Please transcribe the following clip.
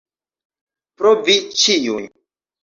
Pro vi ĉiuj.